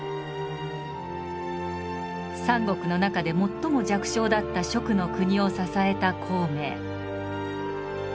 三国の中で最も弱小だった蜀の国を支えた孔明。